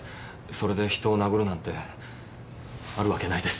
それで人を殴るなんてあるわけないです。